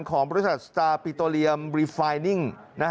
ของบริษัทสตาร์ปิโตเรียมรีไฟนิ่ง